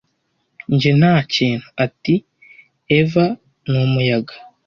njye nta kintu ati eva ni umuyaga